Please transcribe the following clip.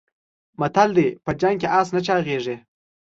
متل دی: په جنګ کې اس نه چاغېږي.